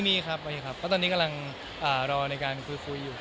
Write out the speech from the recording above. มีครับมีครับก็ตอนนี้กำลังรอในการคุยอยู่